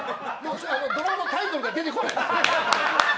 ドラマのタイトルが出てこないのよ。